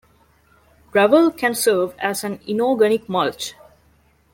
Gravel can serve as an inorganic mulch.